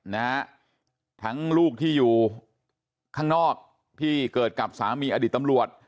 นะฮะทั้งลูกที่อยู่ข้างนอกที่เกิดกับสามีอดีตตำรวจ